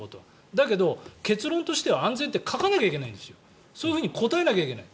だけど、結論としては安全って書かなきゃいけないんですよそういうふうに答えなきゃいけない。